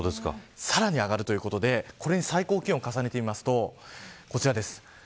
さらに上がるということで最高気温を重ねるとこちらです。